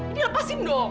ini lepasin dong